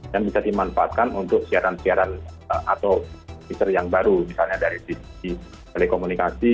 dan bisa dimanfaatkan untuk siaran siaran atau teaser yang baru misalnya dari tv telekomunikasi